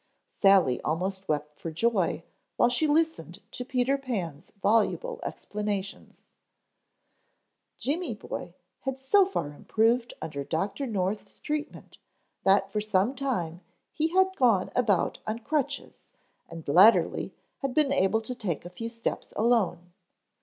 Sally almost wept for joy while she listened to Peter Pan's voluble explanations. Jimmy boy had so far improved under Dr. North's treatment that for some time he had gone about on crutches and latterly had been able to take a few steps alone.